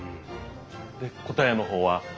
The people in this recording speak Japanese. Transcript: で答えの方は？